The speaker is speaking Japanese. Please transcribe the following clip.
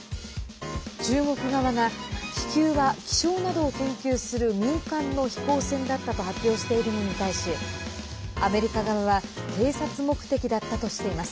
中国側が気球は気象などを研究する民間の飛行船だったと発表しているのに対しアメリカ側は偵察目的だったとしています。